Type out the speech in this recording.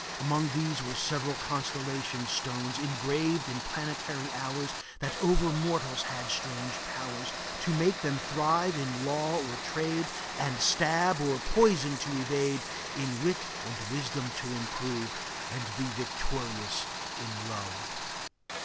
Among these were Several constellation stones, Engraved in planetary hours, That over mortals had strange powers, To make them thrive in law or trade, And stab or poison to evade, In wit and wisdom to improve, And be victorious in love.